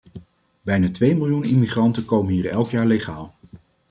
Bijna twee miljoen immigranten komen hier elk jaar legaal.